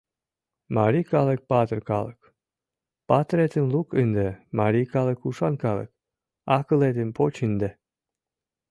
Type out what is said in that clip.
Марий калык — патыр калык, патыретым лук ынде, марий калык — ушан калык, акылетым поч ынде!